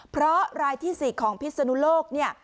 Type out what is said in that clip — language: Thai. เพราะรายที่๔ของพิษสนุโลก